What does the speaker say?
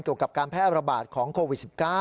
เกี่ยวกับการแพทย์อบราบาศของโควิด๑๙